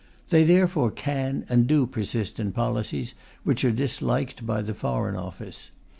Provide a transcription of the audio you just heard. They therefore can and do persist in policies which are disliked by the Foreign Office.